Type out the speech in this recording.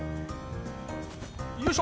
よいしょ！